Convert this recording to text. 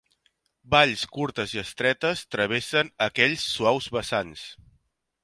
Valls curtes i estretes travessen aquells suaus vessants.